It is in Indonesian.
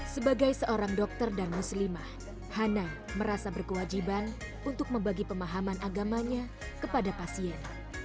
sebagai seorang dokter dan muslimah hana merasa berkewajiban untuk membagi pemahaman agamanya kepada pasien